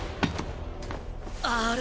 あれ？